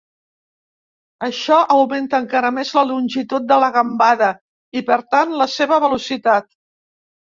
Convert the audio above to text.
Això augmenta encara més la longitud de la gambada i, per tant, la seva velocitat.